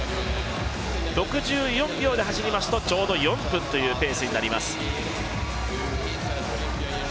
６４秒で走りますとちょうど４分というペースになります。